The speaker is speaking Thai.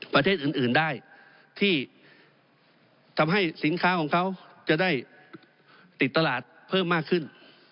ประเทศอื่นได้ที่ทำให้สินค้าของเขาจะได้ติดตลาดเพิ่มมากขึ้น